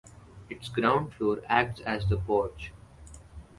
Its ground floor acts as the porch.